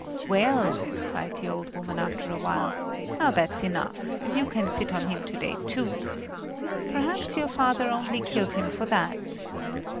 "Well," cried the old woman after a while, "now that's enough; and you can sit on him to day, too. Perhaps your father only killed him for that."